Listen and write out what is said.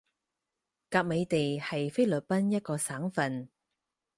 甲米地係菲律賓一個省份